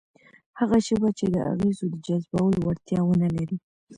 هغه ژبه چې د اغېزو د جذبولو وړتیا ونه لري،